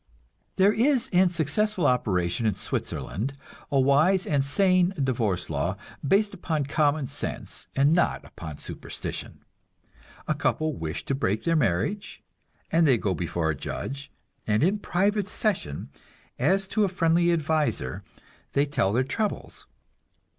There is in successful operation in Switzerland a wise and sane divorce law, based upon common sense and not upon superstition. A couple wish to break their marriage, and they go before a judge, and in private session, as to a friendly adviser, they tell their troubles.